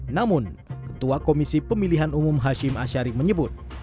namun ketua komisi pemilihan umum hashim ashari menyebut